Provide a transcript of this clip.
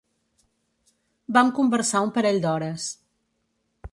Vam conversar un parell d'hores.